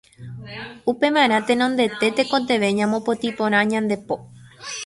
Upevarã tenondete tekotevẽ ñamopotĩ porã ñande po.